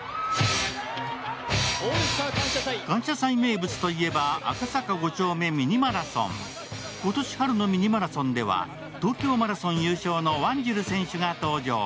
感謝祭名物といえば、「赤坂５丁目ミニマラソン」今年春のミニマラソンでは、東京マラソン優勝のワンジル選手が登場。